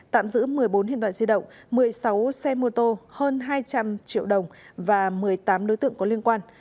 tạm giữ một mươi bốn hiện đoạn di động một mươi sáu xe mô tô hơn hai trăm linh triệu đồng và một mươi tám đối tượng có liên quan